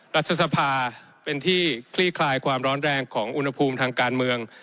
รัฐสภาเป็นที่คลี่คลายความร้อนแรงของอุณหภูมิทางการเมือง